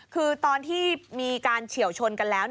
คือตอนที่มีการเฉียวชนกันแล้ว